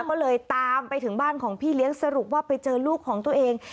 ก็เลยตามไปถึงบ้านของพี่เลี้ยงสรุปว่าไปเจอลูกของตัวเอง